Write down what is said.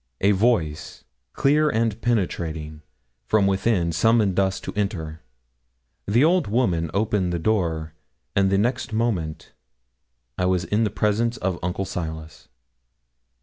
A voice, clear and penetrating, from within summoned us to enter. The old woman opened the door, and the next moment I was in the presence of Uncle Silas.